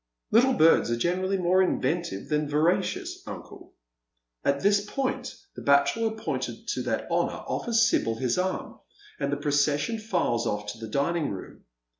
" Little birds are generally more inventive than veracious, uncle." And at this point the bachelor appointed to that honour offers Sibyl his arm, and the procession files off to the dining room.